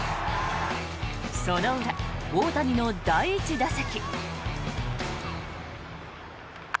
その裏、大谷の第１打席。